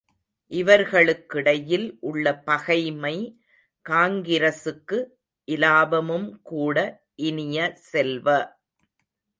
இவர்களுக்கிடையில் உள்ள பகைமை காங்கிரசுக்கு இலாபமும் கூட இனிய செல்வ!